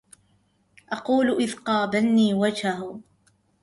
أقول إذ قابلني وجهه